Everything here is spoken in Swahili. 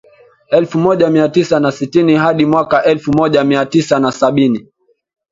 Elfu moja mia tisa na sitini hadi mwaka elfu moja mia tisa na sabini